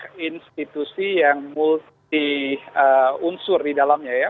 ada institusi yang multi unsur di dalamnya ya